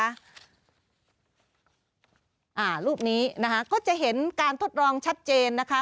อ่ารูปนี้นะคะก็จะเห็นการทดลองชัดเจนนะคะ